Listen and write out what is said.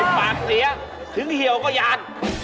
ไอ้ฝังเสียถึงเหี่ยวก็ยาน